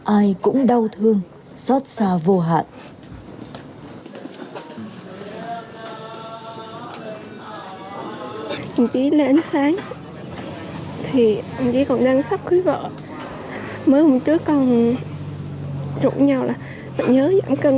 ai cũng đau thương xót xa vô hạn